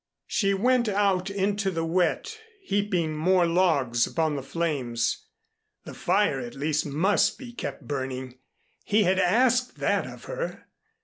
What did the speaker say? She went out into the wet, heaping more logs upon the flames. The fire at least must be kept burning. He had asked that of her.